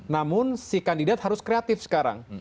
namun si kandidat harus kreatif sekarang